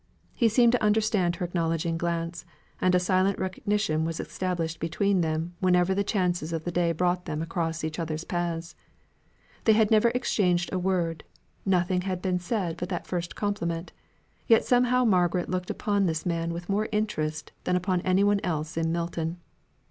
He seemed to understand her acknowledging glance, and a silent recognition was established between them whenever the chances of the day brought them across each other's paths. They had never exchanged a word; nothing had been said but that first compliment; yet somehow Margaret looked upon this man with more interest than upon any one else in Milton.